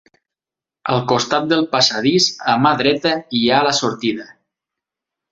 Al costat del passadís, a mà dreta hi ha la sortida.